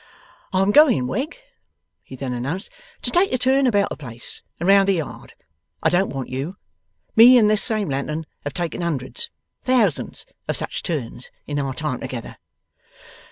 'I'm going, Wegg,' he then announced, 'to take a turn about the place and round the yard. I don't want you. Me and this same lantern have taken hundreds thousands of such turns in our time together.